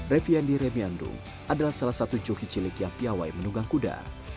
revyandi remiandung adalah salah satu joki cilik yang piawai mendunggang kuda